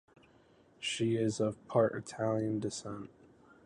She is of part Italian descent.